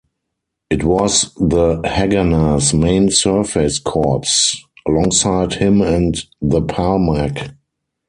It was the Haganah's main surface corps, alongside Him and the Palmach.